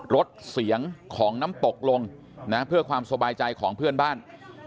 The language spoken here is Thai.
รถเสียงของน้ำตกลงนะเพื่อความสบายใจของเพื่อนบ้าน